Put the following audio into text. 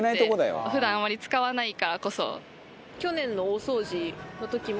普段あまり使わないからこそ。